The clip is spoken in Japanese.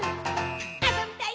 「あそびたい！